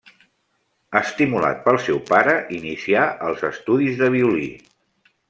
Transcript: Estimulat pel seu pare, inicià els estudis de violí.